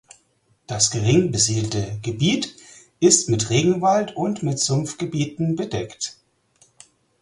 Das gering besiedelte Gebiet ist mit Regenwald und mit Sumpfgebieten bedeckt.